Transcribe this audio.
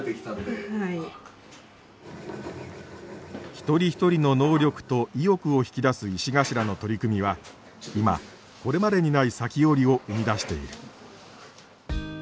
一人一人の能力と意欲を引き出す石頭の取り組みは今これまでにない裂き織を生み出している。